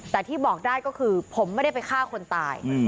แต่ที่บอกได้ก็คือผมไม่ได้ไปฆ่าคนตาย